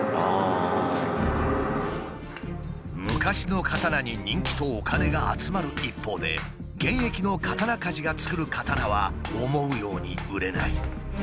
昔の刀に人気とお金が集まる一方で現役の刀鍛冶が作る刀は思うように売れない。